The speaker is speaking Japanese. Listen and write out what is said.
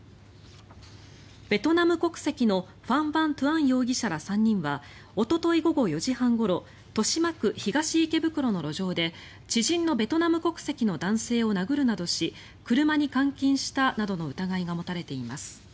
ベトナム国籍のファン・ヴァン・トゥアン容疑者ら３人はおととい午後４時半ごろ豊島区東池袋の路上で知人のベトナム国籍の男性を殴るなどし車に監禁したなどの疑いが持たれています。